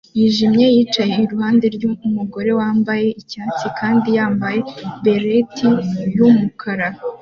yijimye yicaye iruhande rwumugore wambaye icyatsi kandi yambaye beret yumukara